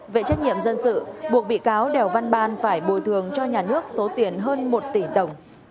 về trách nhiệm dân sự buộc bị cáo đèo văn ban phải bồi thường cho nhà nước số tiền hơn một tỷ đồng